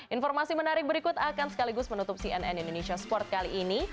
informasi menarik berikut akan sekaligus menutup cnn indonesia sport kali ini